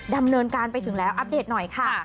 ดำเนินการไปถึงแล้วอัปเดตหน่อยค่ะ